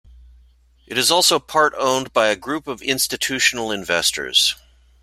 It is also part-owned by a group of institutional investors.